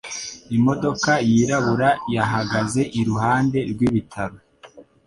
Imodoka yirabura yahagaze iruhande rwibitaro.